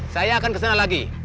saya akan kesana lagi